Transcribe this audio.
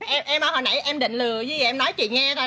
em hồi nãy em định lừa như vậy em nói chị nghe thôi